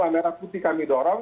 merah putih kami dorong